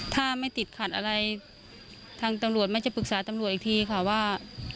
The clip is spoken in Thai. ถ้าไม่ติดขัดอะไรทางตำรวจแม่จะปรึกษาตำรวจอีกทีค่ะว่า